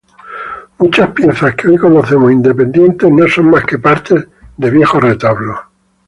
Muchas piezas que hoy conocemos independientes no son más que partes de viejos retablos.